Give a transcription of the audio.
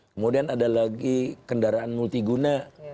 kemudian ada lagi kendaraan multi guna